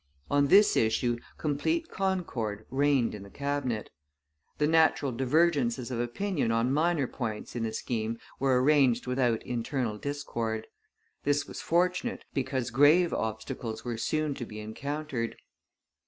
On this issue complete concord reigned in the Cabinet. The natural divergences of opinion on minor points in the scheme were arranged without internal discord. This was fortunate, because grave obstacles were soon to be encountered.